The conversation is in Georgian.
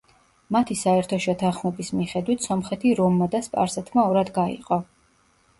მათი საერთო შეთანხმების მიხედვით სომხეთი რომმა და სპარსეთმა ორად გაიყო.